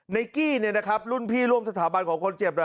ในกี้เนี่ยนะครับรุ่นพี่ร่วมสถาบันของคนเจ็บ